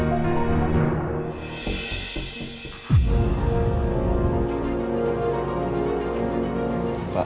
ada apa ya pa